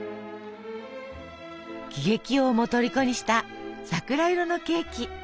喜劇王もとりこにした桜色のケーキ。